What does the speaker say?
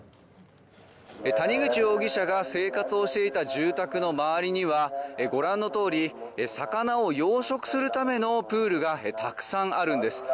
谷口容疑者が生活をしていた住宅の周りにはご覧のとおり魚を養殖するためのプールがたくさんあるんです。